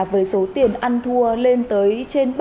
với số tiền ăn thua lên tới trên